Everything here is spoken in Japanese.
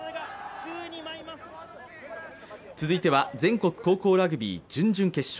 続いては、全国高校ラグビー準々決勝。